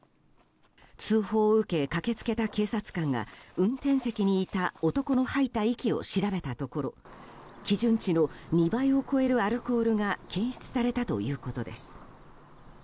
通報を受け、駆けつけた警察官が運転席にいた男の吐いた息を調べたところ基準値の２倍を超えるアルコールが検出されたということです。